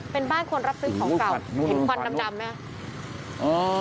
เป็นบ้านควรรับซึ่งของเก่าเห็นควันน้ำจำไหม